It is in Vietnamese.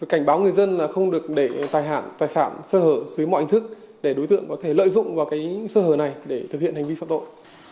cảnh báo người dân là không được để tài hạn tài sản sơ hở dưới mọi hình thức để đối tượng có thể lợi dụng vào cái sơ hở này để thực hiện hành vi phạm tội